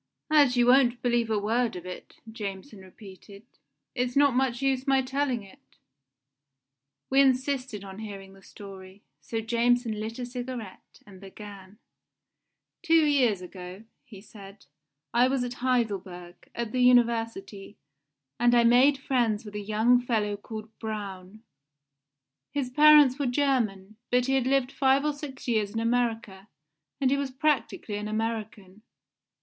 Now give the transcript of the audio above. "As you won't believe a word of it," Jameson repeated, "it's not much use my telling it." We insisted on hearing the story, so Jameson lit a cigarette, and began: "Two years ago," he said, "I was at Heidelberg, at the University, and I made friends with a young fellow called Braun. His parents were German, but he had lived five or six years in America, and he was practically an American.